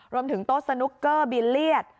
รวมถึงโต๊ะสนุกเกอร์บิลเลียด